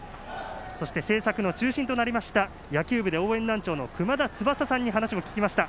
そして、制作の中心となりました野球部で応援団長のくまだつばささんに話を聞きました。